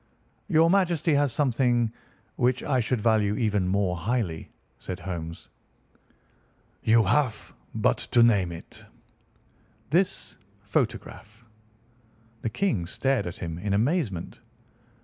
"Your Majesty has something which I should value even more highly," said Holmes. "You have but to name it." "This photograph!" The King stared at him in amazement.